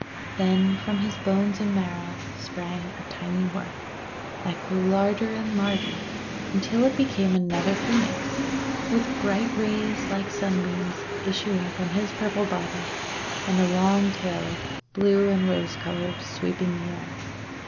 Then from his bones and marrow sprang a tiny Worm, that grew larger and larger until it became another Phoenix, with bright rays like sunbeams issuing from his purple body, and a long tail, blue and rose coloured, sweeping the air.